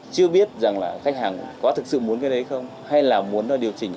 chưa biết rằng là khách hàng có thực sự muốn cái đấy không hay là muốn nó điều chỉnh